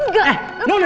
nona kasih harddisk ini